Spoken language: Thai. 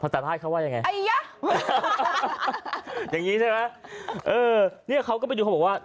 แต่ไล่เขาว่ายังไงอย่างนี้ใช่ไหมเออเนี่ยเขาก็ไปดูเขาบอกว่า